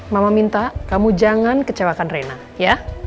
mama minta kamu jangan kecewakan reina ya